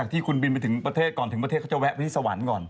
ที่คุณบินไปถึงประเทศก่อนถึงประเทศเขาจะแวะไปที่สวรรค์ก่อน